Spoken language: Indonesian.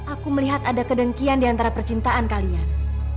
aku melihat ada kedengkian diantara percintaan kalian